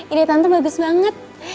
ide tante bagus banget